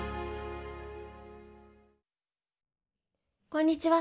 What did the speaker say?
こんにちは。